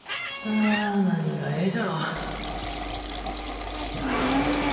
そうですねえ。